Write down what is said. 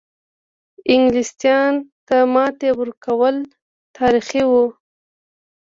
انګلیستان ته ماتې ورکول تاریخي وه.